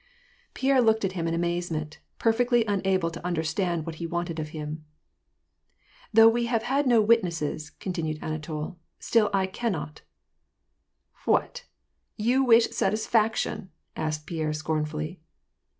Pierre looked at him in amazement, perfectly unable to understand what was wanted of him. "Though we have had no witnesses," continued Anatol, " still I cannot "—" What ! you wish satisfaction ?" asked Pierre scornfully.